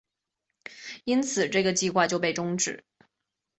因此这个计划就被终止。